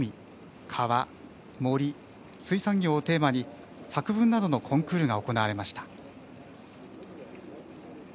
「川」「森」「水産業」をテーマに作文などのコンクールが行われました。